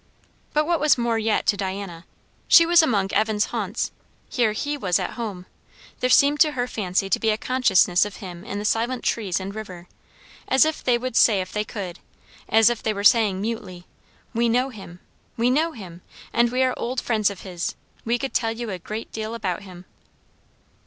But what was more yet to Diana, she was among Evan's haunts. Here he was at home. There seemed to her fancy to be a consciousness of him in the silent trees and river; as if they would say if they could, as if they were saying mutely, "We know him we know him; and we are old friends of his. We could tell you a great deal about him."